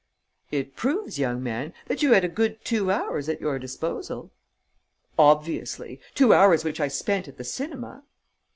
"It proves, young man, that you had a good two hours at your disposal." "Obviously. Two hours which I spent at the cinema."